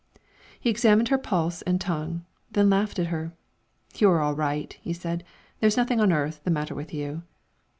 He examined her pulse and tongue, then laughed at her. "You're all right," he said; "there's nothing on earth the matter with you."